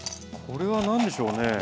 これは何でしょうね？